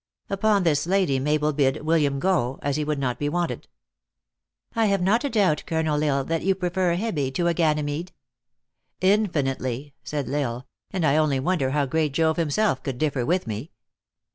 Upon this Lady Mabel bid Wil liam go, as he would not be wanted." "I have not a doubt, Colonel L Isle, that you prefer a Hebe to a Ganymede." " Infinitely," said L Isle; " and I only wonder how great Jove himself could differ with me."